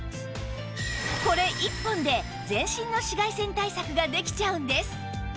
これ１本で全身の紫外線対策ができちゃうんです